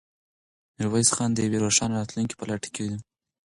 میرویس خان د یوې روښانه راتلونکې په لټه کې و.